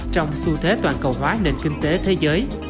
trong xu thế toàn cầu hóa nền kinh tế thế giới